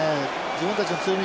自分たちの強み